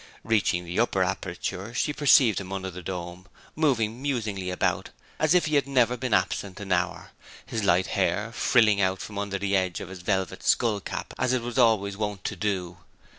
Reaching the upper aperture she perceived him under the dome, moving musingly about as if he had never been absent an hour, his light hair frilling out from under the edge of his velvet skull cap as it was always wont to do.